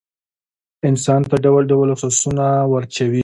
انسان ته ډول ډول وسواسونه وراچوي.